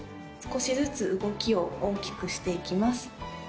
少しずつ動きを大きくしていきます。